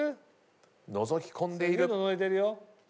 のぞき込んでいる。